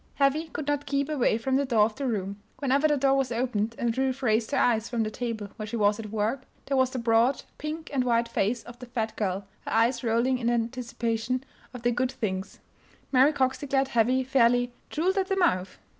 Heavy could not keep away from the door of the room; whenever the door was opened and Ruth raised her eyes from the table where she was at work, there was the broad, pink and white face of the fat girl, her eyes rolling in anticipation of the good things Mary Cox declared Heavy fairly "drooled at the mouth!"